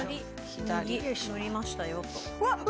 左右乗りましたよと。